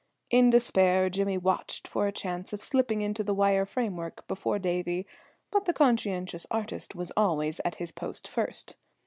In despair Jimmy watched for a chance of slipping into the wire framework before Davie, but the conscientious artist was always at his post first.